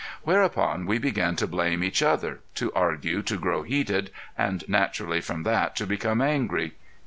Whereupon we began to blame each other, to argue, to grow heated and naturally from that to become angry.